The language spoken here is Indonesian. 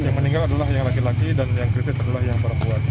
yang meninggal adalah yang laki laki dan yang kritis adalah yang perempuan